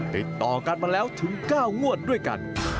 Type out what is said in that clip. ติดต่อกันมาแล้วถึง๙งวดด้วยกัน